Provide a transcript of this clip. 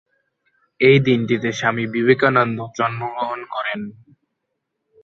এই দিনটিতে স্বামী বিবেকানন্দ জন্মগ্রহণ করেন।